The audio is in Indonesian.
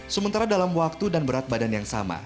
sementara dalam waktu dan berat badan yang sama